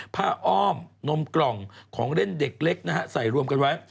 อ้อมนมกล่องของเล่นเด็กเล็กนะฮะใส่รวมกันไว้